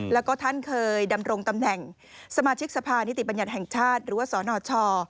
แล้วก็ท่านเคยดำรงตำแหน่งสมาชิกสภานิติบัญญัติแห่งชาติหรือว่าสนช